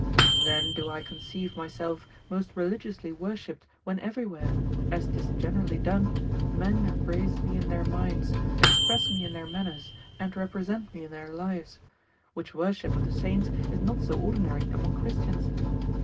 Then do I conceive myself most religiously worshiped when everywhere, as 'tis generally done, men embrace me in their minds, express me in their manners, and represent me in their lives, which worship of the saints is not so ordinary among Christians.